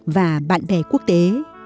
và bạn bè quốc tế